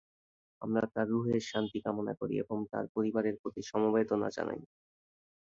আমরা তাঁর রুহের শান্তি কামনা করি এবং তাঁর পরিবারের প্রতি সমবেদনা জানাই।